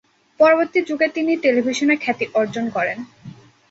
পরবর্তী এক যুগে তিনি টেলিভিশনে খ্যাতি অর্জন করেন।